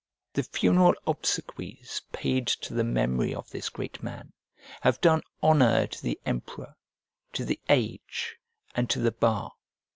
The funeral obsequies paid to the memory of this great man have done honour to the emperor, to the age, and to the bar.